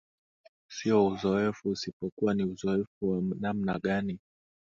sio uzoefu isipokuwa ni uzoefu wa namna gani